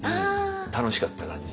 楽しかった感じ。